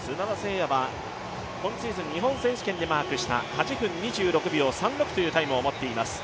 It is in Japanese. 弥は今シーズン日本選手権でマークした８分２６秒３６というタイムを持っています。